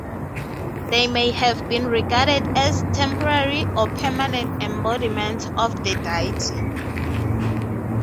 They may have been regarded as temporary or permanent embodiments of the deity.